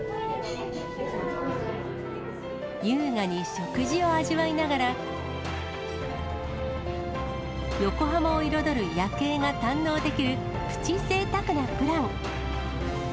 優雅に食事を味わいながら、横浜を彩る夜景が堪能できる、プチぜいたくなプラン。